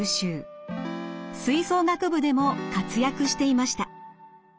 吹奏楽部でも活躍していました。